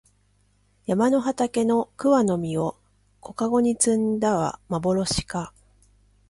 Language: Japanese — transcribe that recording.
山の畑の桑の実を小かごに摘んだはまぼろしか